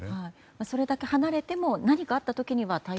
それだけ離れても何かあったら対応が。